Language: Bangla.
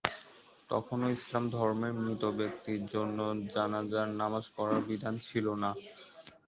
তখনও ইসলাম ধর্মে মৃত ব্যক্তির জন্য জানাযার নামায পড়ার বিধান ছিলো না।